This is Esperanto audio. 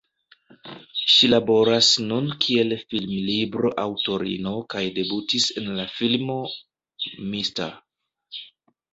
Ŝi laboras nun kiel filmlibro-aŭtorino kaj debutis en la filmo "Mr.